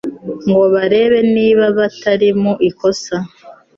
ngo barebe niba batari mu ikosa?